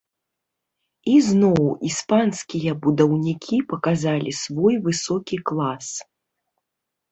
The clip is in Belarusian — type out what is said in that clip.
І зноў іспанскія будаўнікі паказалі свой высокі клас.